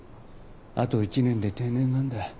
あと１年で定年なんだ。